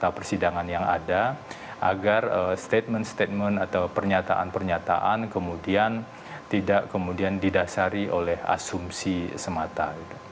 dan di persidangan yang ada agar statement statement atau pernyataan pernyataan kemudian tidak kemudian didasari oleh asumsi semata